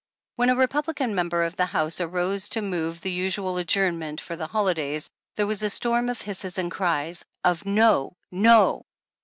When a Republican member of the House arose to move the usual adjournment for the holidays, there was a storm of hisses and cries of No, no